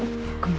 ya enak banget